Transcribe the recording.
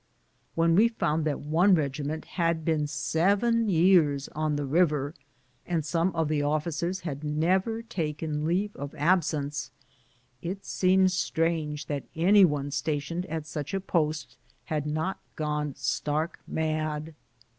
When we found that one regiment had been seven years on the river, and some of the officers had never taken leave of absence, it seems strange that any one stationed at such a post had not gone stark mad.